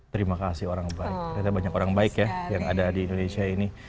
terima kasih orang baik ternyata banyak orang baik ya yang ada di indonesia ini